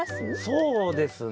そうですね